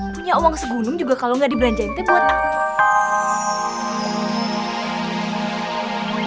punya uang segunung juga kalo gabisa dibelanjain teh buat takt flowing